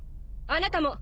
あなたも！